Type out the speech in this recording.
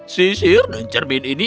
sisir dan cermin ini ajaib nona